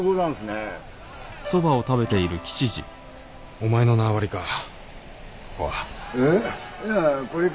お前の縄張りか